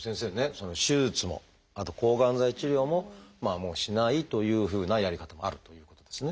その手術もあと抗がん剤治療ももうしないというふうなやり方もあるということですね。